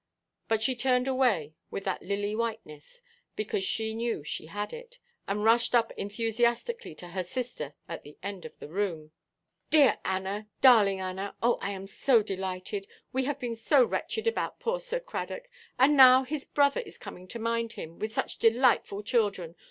But she turned away, with that lily–whiteness, because she knew she had it, and rushed up enthusiastically to her sister at the end of the room. "Dear Anna, darling Anna, oh, I am so delighted! We have been so wretched about poor Sir Cradock. And now his brother is coming to mind him, with such delightful children!